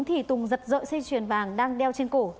thì tùng giật dợi xe chuyền vàng đang đeo trên cổ